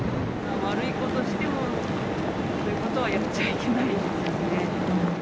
悪いことしても、そういうことはやっちゃいけないですよね。